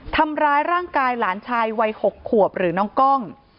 ทำร้ายร่างกายหลานชายวัย๖ขวบหรือน้องกล้อง